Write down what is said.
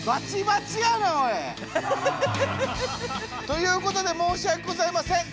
ということで申し訳ございません。